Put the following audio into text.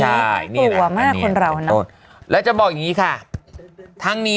เมื่อกี๊นี้ใช่นี่แหละของเราและจะบอกอย่างงี้ค่ะทั้งนี้